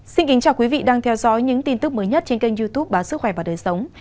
xin kính chào quý vị đang theo dõi những tin tức mới nhất trên kênh youtube báo sức khỏe và đời sống